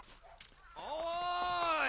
おい！